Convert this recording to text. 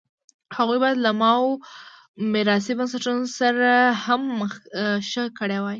هغوی باید له ماوو میراثي بنسټونو سره هم مخه ښه کړې وای.